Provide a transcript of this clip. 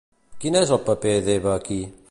Quin és el paper d'Eva aquí?